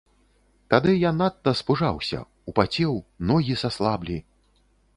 Тады я надта спужаўся, упацеў, ногі саслаблі.